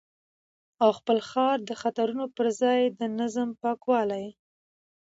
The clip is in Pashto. او خپل ښار د خطرونو پر ځای د نظم، پاکوالي